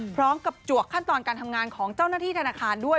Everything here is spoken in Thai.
จวกขั้นตอนการทำงานของเจ้าหน้าที่ธนาคารด้วย